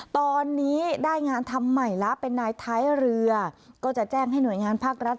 ตอนนี้ได้งานทำใหม่แล้วเป็นนายท้ายเรือก็จะแจ้งให้หน่วยงานภาครัฐ